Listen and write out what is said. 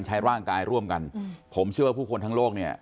ใช้ร่างกายร่วมกันผมเชื่อว่าผู้คนทั้งโลกเนี่ย